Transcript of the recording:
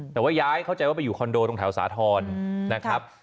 แต่ว่าย้ายเข้าใจว่าไปอยู่คอนโดตรงแถวสาธรณ์นะครับ